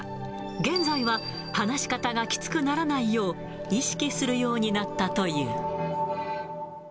現在は話し方がきつくならないよう、意識するようになったという。